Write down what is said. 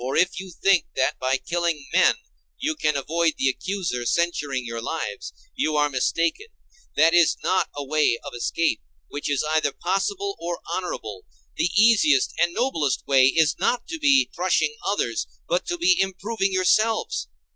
For if you think that by killing men you can avoid the accuser censuring your lives, you are mistaken; that is not a way of escape which is either possible or honorable; the easiest and noblest way is not to be crushing others, but to be improving yourselves.